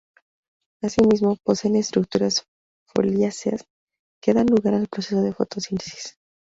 Asimismo, poseen estructuras foliáceas que dan lugar al proceso de fotosíntesis.